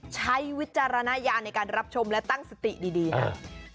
วิจารณญาณในการรับชมและตั้งสติดีครับ